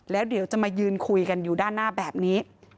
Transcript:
แล้วเดี๋ยวจะมายืนคุยกันอยู่ด้านหน้าแบบนี้